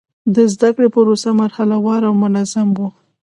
د زده کړې پروسه مرحله وار او منظم و.